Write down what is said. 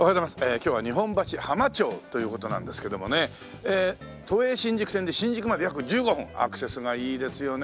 今日は日本橋浜町という事なんですけどもね都営新宿線で新宿まで約１５分アクセスがいいですよね。